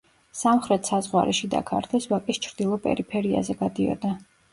სამხრეთ საზღვარი შიდა ქართლის ვაკის ჩრდილო პერიფერიაზე გადიოდა.